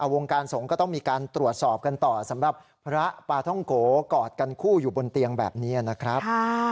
วงการสงฆ์ก็ต้องมีการตรวจสอบกันต่อสำหรับพระปาท่องโกกอดกันคู่อยู่บนเตียงแบบนี้นะครับ